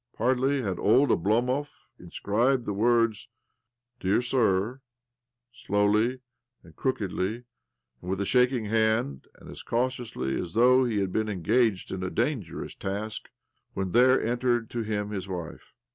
'Hardly had old Oblomov inscribed the wonds ''Dear Sir" — slowly and crookedly, and with a shaking hand, and as cautiously as though hfe had been engaged in a danger ous task — when there entered to him his wife.